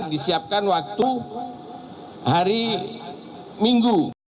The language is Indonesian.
disiapkan waktu hari minggu